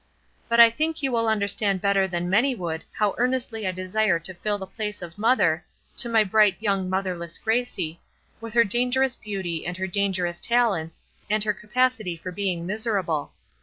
But I think you will understand better than many would how earnestly I desire to fill the place of mother, to my bright young motherless Gracie, with her dangerous beauty and her dangerous talents and her capacity for being miserable.